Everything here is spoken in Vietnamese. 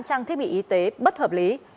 trang thiết bị y tế bất hợp lý